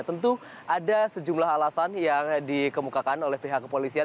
tentu ada sejumlah alasan yang dikemukakan oleh pihak kepolisian